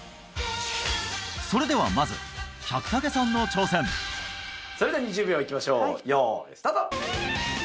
それではまずそれでは２０秒いきましょう用意スタート